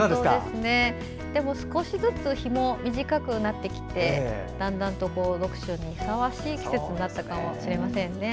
でも少しずつ日も短くなってきてだんだんと読書にふさわしい季節になったかもしれませんね。